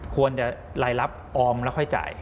ควรจะรายรับออมแล้วค่อยจ่าย